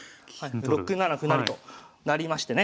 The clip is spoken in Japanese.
６七歩成となりましてね